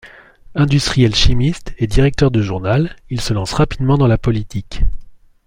Industriel chimiste, et directeur de journal, il se lance rapidement dans la politique.